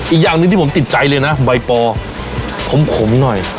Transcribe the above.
อีกอย่างหนึ่งที่ผมติดใจเลยนะใบปอขมหน่อย